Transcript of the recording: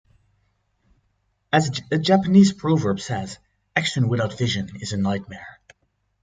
As a Japanese proverb says, Action without vision is a nightmare.